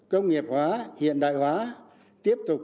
công nghiệp hóa hiện đại hóa tiếp tục